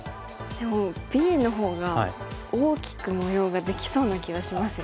でもＢのほうが大きく模様ができそうな気がしますよね。